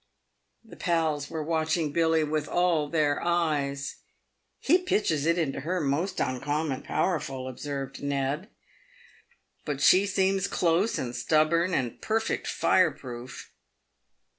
The pals were watching Billy with all their eyes. " He pitches it into her most uncommon powerful," observed Ned ;" but she seems close and stubborn, and perfect fireproof."